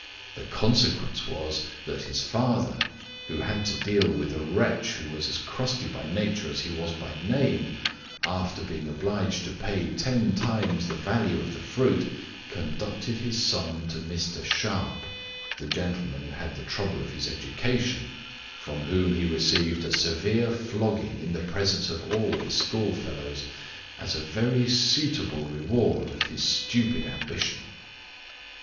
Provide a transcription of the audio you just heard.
The consequence was, that his father (who had to deal with a wretch who was as crusty by nature as he was by name) after being obliged to pay ten times the value of the fruit, conducted his son to Mr. Sharp, the gentleman who had the trouble of his education, from whom he received a severe flogging in the presence of all his school fellows, as a very suitable reward of his stupid ambition.